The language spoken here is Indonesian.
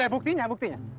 eh buktinya buktinya